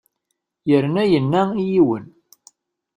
Yerna yenna i yiwen.